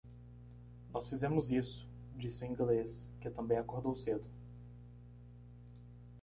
"Nós fizemos isso!" disse o inglês? que também acordou cedo.